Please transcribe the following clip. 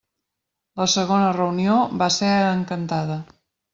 La segona reunió va ser a Encantada.